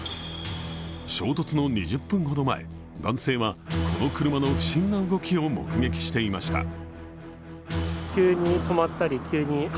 衝突の２０分ほど前男性はこの車の不審な動きを目撃していました。